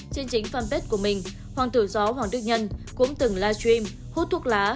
trên chính fanpage của mình hoàng tử gió hoàng đức nhân cũng từng livestream hút thuốc lá